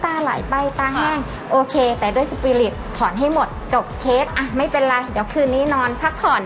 ไหลไปตาแห้งโอเคแต่ด้วยสปีริตถอนให้หมดจบเคสอ่ะไม่เป็นไรเดี๋ยวคืนนี้นอนพักผ่อน